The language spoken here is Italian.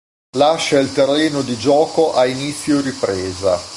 Lascia il terreno di gioco a inizio ripresa.